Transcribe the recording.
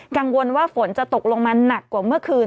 กังวลว่าฝนจะตกลงมาหนักกว่าเมื่อคืน